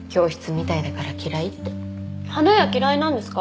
花屋嫌いなんですか？